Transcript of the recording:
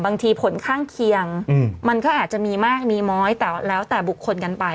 บางทีผลข้างเคียงมันก็อาจจะมีมากมีน้อยแต่แล้วแต่บุคคลกันไป